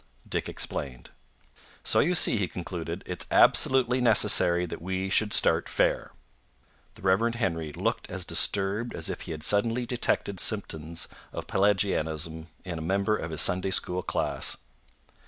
Dick explained. "So you see," he concluded, "it's absolutely necessary that we should start fair." The Rev. Henry looked as disturbed as if he had suddenly detected symptoms of Pelagianism in a member of his Sunday school class.